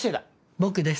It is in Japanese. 僕です。